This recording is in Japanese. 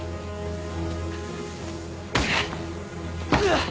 あっ！